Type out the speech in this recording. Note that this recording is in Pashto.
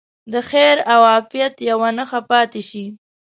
د خیر او عافیت یوه نښه پاتې شي.